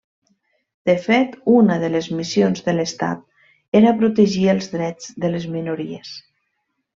De fet una de les missions de l'estat era protegir els drets de les minories.